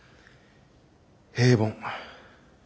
平凡。